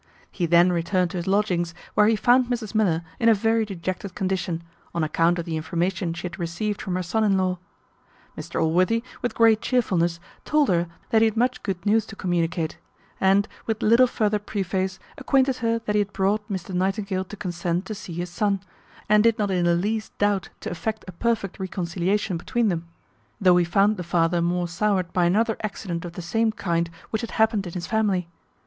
He then returned to his lodgings, where he found Mrs Miller in a very dejected condition, on account of the information she had received from her son in law. Mr Allworthy, with great chearfulness, told her that he had much good news to communicate; and, with little further preface, acquainted her that he had brought Mr Nightingale to consent to see his son, and did not in the least doubt to effect a perfect reconciliation between them; though he found the father more sowered by another accident of the same kind which had happened in his family.